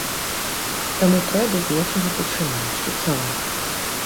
Таму трэба з нечага пачынаць, фіксаваць.